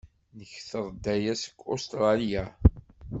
Nekter-d aya seg Ustṛalya.